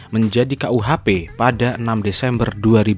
menjadi kuhp pada enam desember dua ribu dua puluh